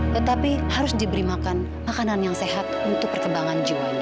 tetapi harus diberi makan makanan yang sehat untuk perkembangan jiwanya